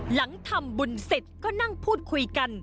หลังทำบุญเสร็จก็นั่งพูดคุยกัน